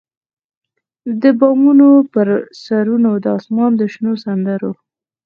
د بامونو پر سرونو د اسمان د شنو سندرو،